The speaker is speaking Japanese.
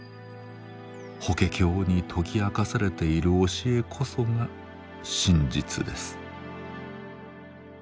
法華経に説き明かされている教えこそが真実です。